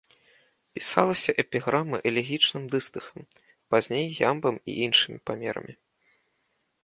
Пісалася эпіграма элегічным дыстыхам, пазней ямбам і іншымі памерамі.